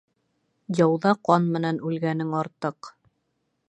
Яуҙа ҡан менән үлгәнең артыҡ.